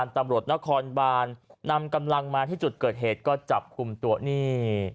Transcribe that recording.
ตำรวจนครบานนำกำลังมาที่จุดเกิดเหตุก็จับกลุ่มตัวนี่